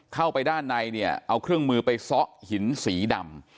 เข้าไปด้านในเนี่ยเอาเครื่องมือไปซ่อหินสีดำ